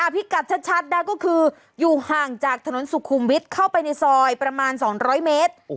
พิกัดชัดก็คืออยู่ห่างจากถนนสุขุมวิทย์เข้าไปในซอยประมาณ๒๐๐เมตร